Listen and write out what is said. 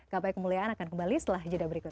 gapai kemuliaan akan kembali setelah jeda berikut